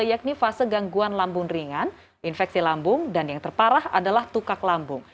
yakni fase gangguan lambung ringan infeksi lambung dan yang terparah adalah tukak lambung